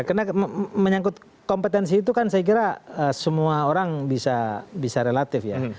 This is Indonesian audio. karena menyangkut kompetensi itu kan saya kira semua orang bisa relatif ya